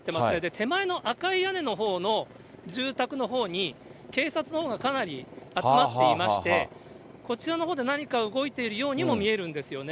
手前の赤い屋根のほうの住宅のほうに、警察のほうがかなり集まっていまして、こちらのほうで、何か動いているようにも見えるんですよね。